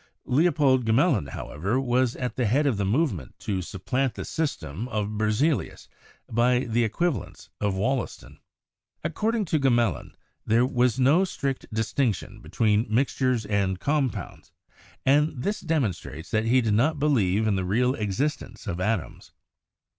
Leopold Gmelin, however, was at the head of the movement to supplant the system of Berzelius by the equivalents of Wollaston. According to Gmelin, there was no strict distinction be tween mixtures and compounds, and this demonstrates that he did not believe in the real existence of atoms.